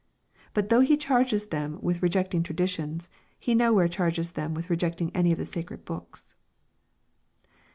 But though he charges them with re jecting traditions, he nowhere charges them with rejecting any of the sacred books.